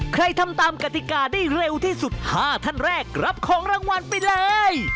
ใครทำตามกติกาได้เร็วที่สุด๕ท่านแรกรับของรางวัลไปเลย